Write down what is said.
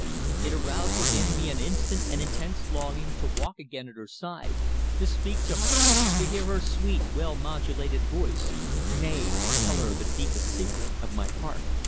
It aroused within me an instant and intense longing to walk again at her side, to speak to her, to hear her sweet, well modulated voice nay, to tell her the deepest secret of my heart.